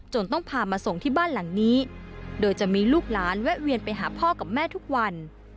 ต้องพามาส่งที่บ้านหลังนี้โดยจะมีลูกหลานแวะเวียนไปหาพ่อกับแม่ทุกวัน